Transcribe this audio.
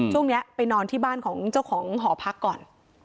ช่วงนี้ไปนอนที่บ้านของเจ้าของหอพักก่อน